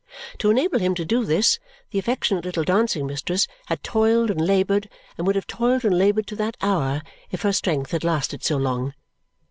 To enable him to do this, the affectionate little dancing mistress had toiled and laboured and would have toiled and laboured to that hour if her strength had lasted so long.